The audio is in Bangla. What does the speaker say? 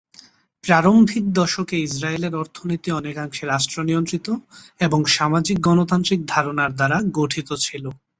প্রারম্ভিক দশকে ইসরায়েলের অর্থনীতি অনেকাংশে রাষ্ট্র-নিয়ন্ত্রিত এবং সামাজিক গণতান্ত্রিক ধারণার দ্বারা গঠিত ছিল।